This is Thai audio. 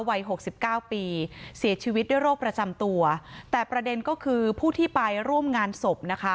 หกสิบเก้าปีเสียชีวิตด้วยโรคประจำตัวแต่ประเด็นก็คือผู้ที่ไปร่วมงานศพนะคะ